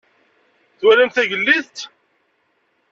Twalam tagellidt?